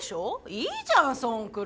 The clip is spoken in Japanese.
いいじゃんそんくらい。